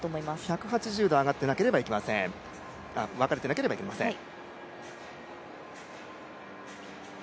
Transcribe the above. １８０度分かれてなければいけません